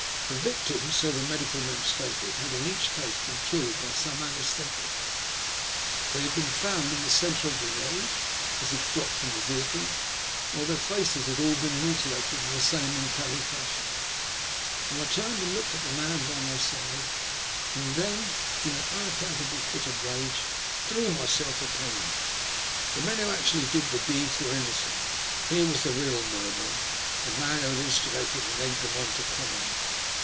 The victims, so the medical men stated, had in each case been killed by some anaesthetic : they had been found in the centre of the road, as if dropped from a vehicle, while their faces had all been mutilated in the same uncanny fashion. I turned and looked at the man by my side, and then, in an unaccountable fit of rage. T]Et& LUST 0£* HATS. M threw myself upon him. The men who actually did the deeds were innocent — here was the real murderer — the man who had instigated and egged them on to crime.